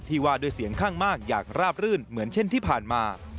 ว่าด้วยเสียงข้างมากอย่างราบรื่นเหมือนเช่นที่ผ่านมา